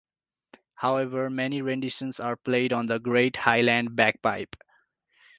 However, many renditions are played on the Great Highland Bagpipe.